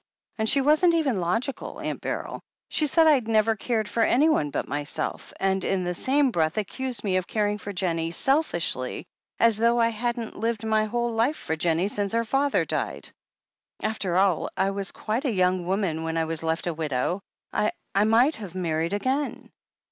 And she wasn't even logical, Aunt BeryL She said I'd never cared for anyone but m3rself, and in the same breath accused me of caring for Jennie selfishly — ^as though I hadn't lived my whole life for Jennie since her father died. After M, I was quite a young woman when I was left a widow. I — I might have married again."